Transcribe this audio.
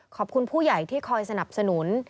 ขอบคุณผู้ใหญ่ที่คอยสนับสนุน